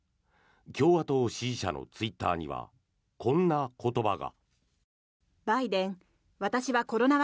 共和党支持者のツイッターにはこんな言葉が。